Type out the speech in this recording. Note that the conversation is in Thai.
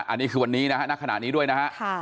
อันนี้คือวันนี้นะฮะณขณะนี้ด้วยนะฮะ